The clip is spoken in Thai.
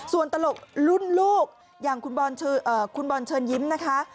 ส่วนตลกรุ่นลูกอย่างคุณบอลเชิญยิ้มนะคะ